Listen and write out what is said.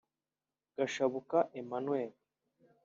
Gashabuka Emmanuel